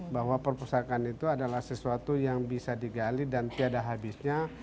bahwa perpustakaan itu adalah sesuatu yang bisa digali dan tiada habisnya